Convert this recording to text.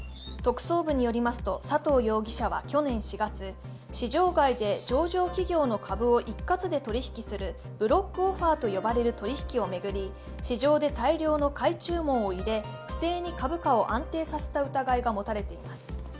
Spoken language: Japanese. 特捜部によりますと佐藤容疑者は去年４月、市場外で上場企業の株を一括で取引するブロックオファーと呼ばれる取引を巡り、市場で大量の買い注文を入れ、不正に株価を安定させた疑いが持たれています。